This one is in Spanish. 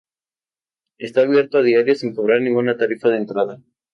Está abierto a diario sin cobrar ninguna tarifa de entrada.